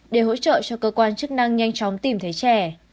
để hỗ trợ cho cơ quan chức năng nhanh chóng tìm thấy trẻ